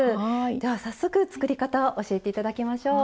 では早速作り方を教えて頂きましょう。